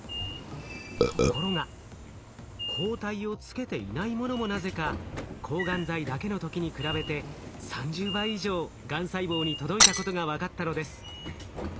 ところが抗体をつけていないものもなぜか抗がん剤だけの時に比べて３０倍以上がん細胞に届いたことが分かったのです。